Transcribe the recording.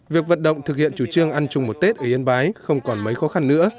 việc vận động thực hiện chủ trương ăn chung một tết ở yên bái không còn mấy khó khăn nữa